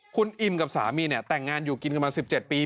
คุณอิมกับสามีเนี่ยแต่งงานอยู่กินกันมา๑๗ปี